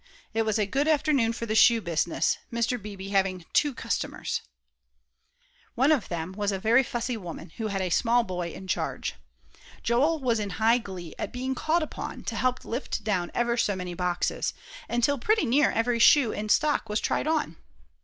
It was a good afternoon for the shoe business, Mr. Beebe having two customers. One of them was a very fussy woman who had a small boy in charge. Joel was in high glee at being called upon to help lift down ever so many boxes, until pretty near every shoe in the stock was tried on.